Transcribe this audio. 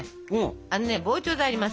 あのね膨張剤あります。